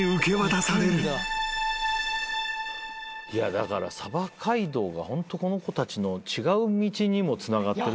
だから鯖街道がホントこの子たちの違う道にもつながってる。